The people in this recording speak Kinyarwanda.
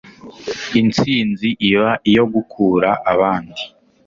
intsinzi iba iyo gukura abandi